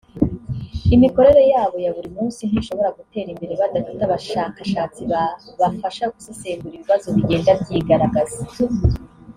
Imikorere yabo ya buri munsi ntishobora gutera imbere badafite abashakashatsi babafasha gusesengura ibibazo bigenda byigaragaza